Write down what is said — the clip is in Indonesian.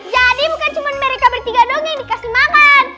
jadi bukan cuma mereka bertiga doang yang dikasih makan